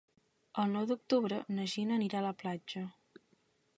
El nou d'octubre na Gina anirà a la platja.